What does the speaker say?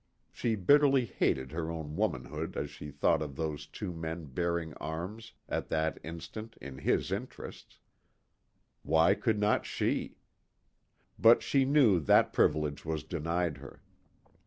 She bitterly hated her own womanhood as she thought of those two men bearing arms at that instant in his interests. Why could not she? But she knew that privilege was denied her.